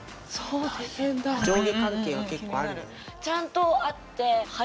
ちゃんとあって椅子？